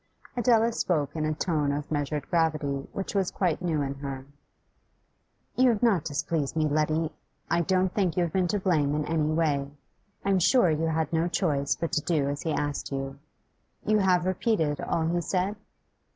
Adela spoke in a tone of measured gravity which was quite new in her. 'You have not displeased me, Letty. I don't think you have been to blame in any way; I am sure you had no choice but to do as he asked you. You have repeated all he said?